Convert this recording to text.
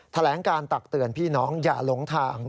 แถลงการตักเตือนพี่น้องอย่าหลงทาง